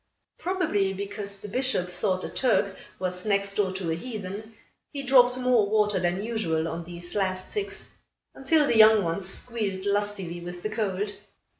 Probably, because the Bishop thought a Turk was next door to a heathen, he dropped more water than usual on these last six, until the young ones squealed lustily with the cold.